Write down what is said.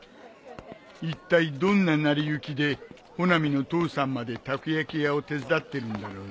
いったいどんな成り行きで穂波の父さんまでたこ焼き屋を手伝ってるんだろうね。